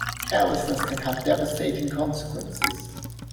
Carelessness can have devastating consequences.